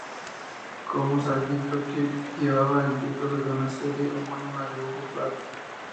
Como Sargento Kirk, llevaba el título de una serie homónima de Hugo Pratt.